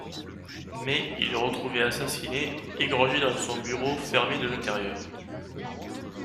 Mais il est retrouvé assassiné, égorgé dans son bureau fermé de l'intérieur.